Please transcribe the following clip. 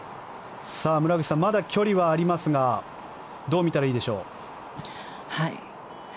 村口さん、まだ距離はありますがどう見たらいいでしょう。